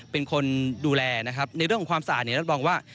เป็นคนดูแลนะครับในเรื่องของความสะอาดเนี่ยรับรองว่า